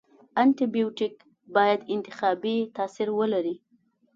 انټي بیوټیک باید انتخابي تاثیر ولري.